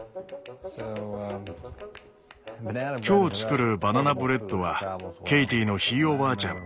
今日作るバナナブレッドはケイティのひいおばあちゃん